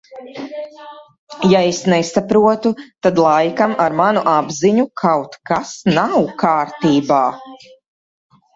Ja es nesaprotu, tad laikam ar manu apziņu kaut kas nav kārtībā.